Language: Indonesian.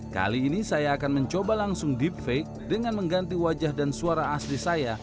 kali ini saya akan mencoba langsung deepfake dengan mengganti wajah dan suara asli saya